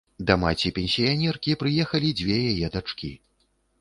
Да маці-пенсіянеркі прыехалі дзве яе дачкі.